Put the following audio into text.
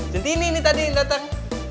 centini ini tadi yang datang